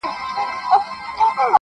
• شګوفو به اوربلونه نازولای -